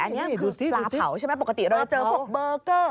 อันนี้คือปลาเผาใช่ไหมปกติเราจะเจอพวกเบอร์เกอร์